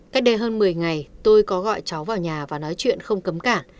cách đây hơn một mươi ngày tôi có gọi cháu vào nhà và nói chuyện không cấm cả